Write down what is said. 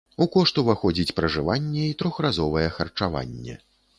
У кошт уваходзіць пражыванне і трохразовае харчаванне.